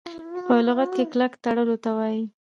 په لغت کي کلک تړلو ته وايي .